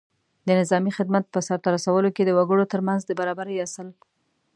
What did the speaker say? د نظامي خدمت په سرته رسولو کې د وګړو تر منځ د برابرۍ اصل